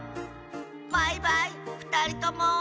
バイバイふたりとも。